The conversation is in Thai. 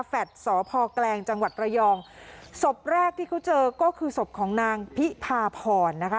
สพแกลงจังหวัดระยองศพแรกที่เขาเจอก็คือศพของนางพิพาพรนะคะ